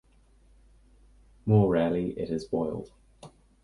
More rarely it is boiled.